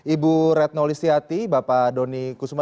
ibu retno listiati bapak doni kusuma